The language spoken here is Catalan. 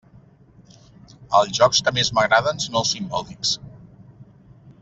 Els jocs que més m'agraden són els simbòlics.